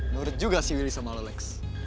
nurut juga si wili sama lo lex